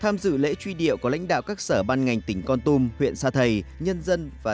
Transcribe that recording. tham dự lễ truy điệu có lãnh đạo các sở ban ngành tỉnh con tum huyện sa thầy nhân dân và